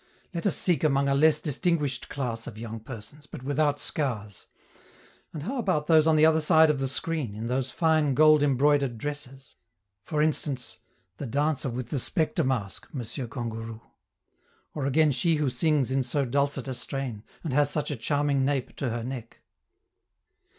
Let us seek among a less distinguished class of young persons, but without scars. And how about those on the other side of the screen, in those fine gold embroidered dresses? For instance, the dancer with the spectre mask, Monsieur Kangourou? or again she who sings in so dulcet a strain and has such a charming nape to her neck?"